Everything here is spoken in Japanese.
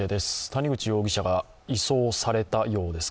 谷口容疑者が移送されたようです。